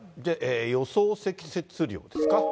予想積雪量ですか。